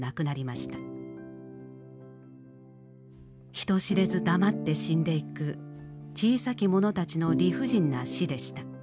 人知れず黙って死んでいく「小さきもの」たちの理不尽な死でした。